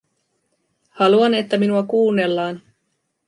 Haluan, että minua kuunnellaan.